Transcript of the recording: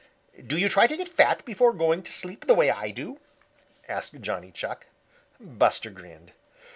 "Do you try to get fat before going to sleep, the way I do?" asked Johnny Chuck. Buster grinned.